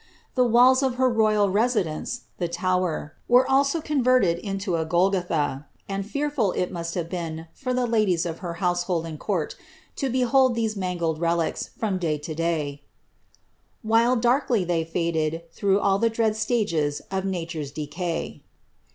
The wails oif her royal residence, the Tower, were also cooverted into a Golgotha, and fearful it must have been for the ladies of her house* JioUl Mad court to behold these mangled relics, from day to day—* « VHiile darkly thej feded Through all the dread stages of oature^s decay.